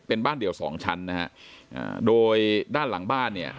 เป็นบ้านเดี่ยวสองชั้นนะฮะอ่าโดยด้านหลังบ้านเนี่ย